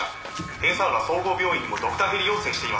平砂浦総合病院にもドクターヘリ要請しています。